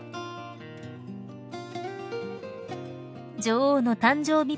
［女王の誕生日